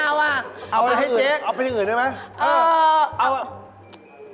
เอาไปให้เจ๊กเอาไปอย่างอื่นได้ไหม